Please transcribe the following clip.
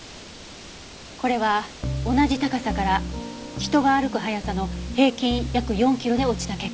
これは同じ高さから人が歩く速さの平均約４キロで落ちた血痕。